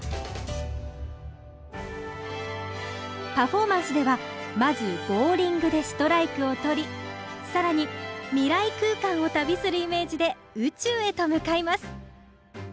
パフォーマンスではまずボウリングでストライクをとり更に未来空間を旅するイメージで宇宙へと向かいます